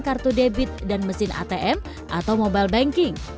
pembayaran transaksi serupa menggunakan kartu debit dan mesin atm atau mobile banking